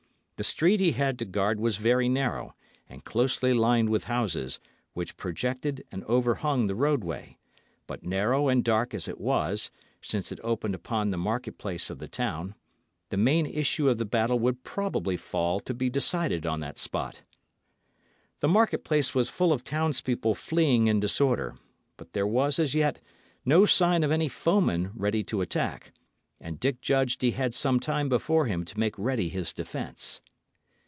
The street he had to guard was very narrow, and closely lined with houses, which projected and overhung the roadway; but narrow and dark as it was, since it opened upon the market place of the town, the main issue of the battle would probably fall to be decided on that spot. The market place was full of townspeople fleeing in disorder; but there was as yet no sign of any foeman ready to attack, and Dick judged he had some time before him to make ready his defence.